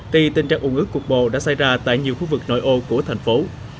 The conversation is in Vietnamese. thì tình trạng ủng ước cuộc bộ đã xảy ra tại nhiều khu vực nội ô của thành phố